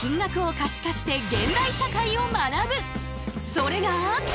それが。